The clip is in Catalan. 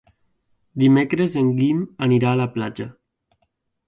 Dimecres en Guim anirà a la platja.